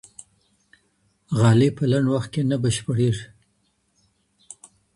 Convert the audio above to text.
غالۍ په لنډ وخت کي نه بشپړیږي.